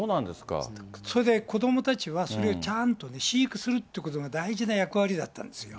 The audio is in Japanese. それで、子どもたちはそれをちゃんとね、飼育するってことが大事な役割だったんですよ。